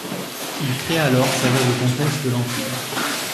Il crée alors sa veuve comtesse de l'Empire.